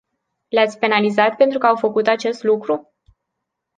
Le-ați penalizat pentru că au făcut acest lucru?